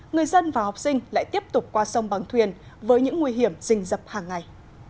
người dân và học sinh lại tiếp tục qua sông bằng thuyền với những nguy hiểm rình rập hàng ngày